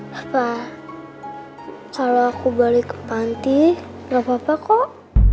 apa kalau aku balik ke panti nggak apa apa kok